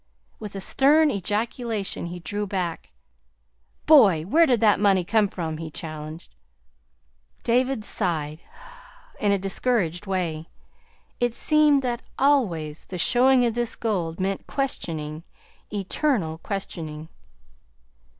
With a stern ejaculation he drew back. "Boy, where did that money come from?" he challenged. David sighed in a discouraged way. It seemed that, always, the showing of this gold mean't questioning eternal questioning.